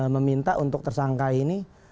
meminta untuk tersangka ini